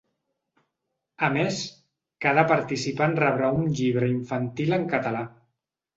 A més, cada participant rebrà un llibre infantil en català.